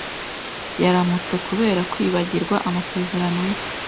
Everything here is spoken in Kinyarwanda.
Yaramututse kubera kwibagirwa amasezerano ye.